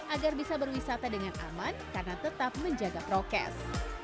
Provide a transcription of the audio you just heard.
agar bisa berwisata dengan aman karena tetap menjaga prokes